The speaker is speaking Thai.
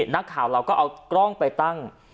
นักข่าวเราก็เอากล้องไปตั้ง